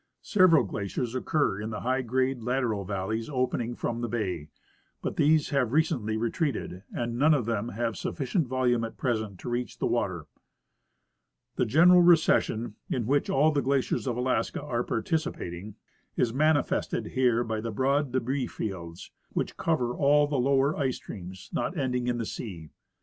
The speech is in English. Several glaciers occur in the high grade lateral valleys opening from the bay; but these have recently retreated, and none of them have sufficient volume at present to reach the water. The general recession, in which all the glaciers of Alaska are participating, is manifested here by the broad debris fields, which cover all the lower ice streams not ending in the sea.